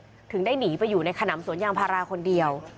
ถึงได้หนีไปอยู่ในขนำสวนยางพาราคนเดียว